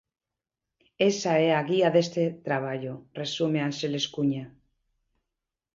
Esa é a guía deste traballo, resume Ánxeles Cuña.